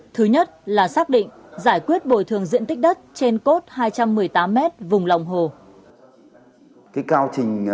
thứ nhất là xác định giải quyết bồi thường diện tích đất trên cốt hai trăm một mươi tám mét vùng lòng hồ